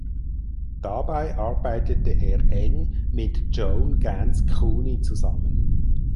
Dabei arbeitete er eng mit Joan Ganz Cooney zusammen.